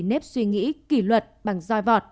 tiếp suy nghĩ kỷ luật bằng roi vọt